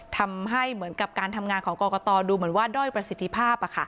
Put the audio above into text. ทำให้เหมือนกับการทำงานของกรกตดูเหมือนว่าด้อยประสิทธิภาพ